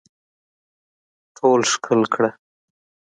ټول ښکل کړه